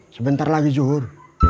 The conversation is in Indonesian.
sebentar lagi zuhur